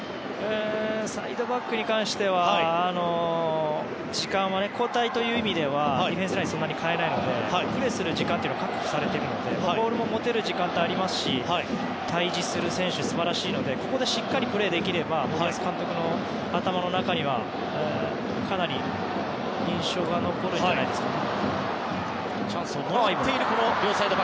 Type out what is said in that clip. サイドバックに関しては時間は交代という意味ではディフェンスラインはそんなに代えないのでプレーする時間は確保されているのでボールを持てる時間帯もありますし対峙する選手は素晴らしいのでここでしっかりプレーできれば森保監督の頭の中にはかなり印象が残るんじゃないですかね。